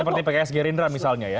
seperti pks gerindra misalnya ya